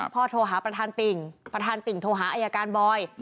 โทรหาประธานติ่งประธานติ่งโทรหาอายการบอย